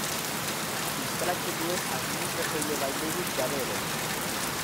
Instalatzen nuen administratzaile baimenik gabe ere.